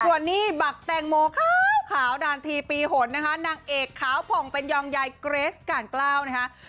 ส่วนนี้บักแตงโมขาวดานทีปีหนนะคะนางเอกขาวผ่องเป็นยองยายเกรสก่านกล้าวนะคะ